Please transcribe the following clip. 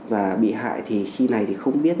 và bị hại thì khi này thì không biết